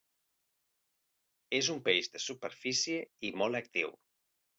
És un peix de superfície i molt actiu.